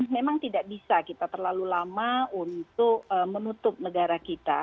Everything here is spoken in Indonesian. memang tidak bisa kita terlalu lama untuk menutup negara kita